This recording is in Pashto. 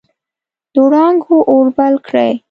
د وړانګو اور بل کړي